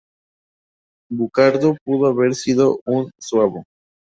Burcardo pudo haber sido un suabo.